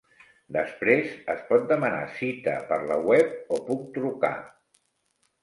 Després es pot demanar cita per la web o puc trucar?